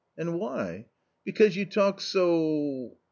"And why?" " Because you talk so.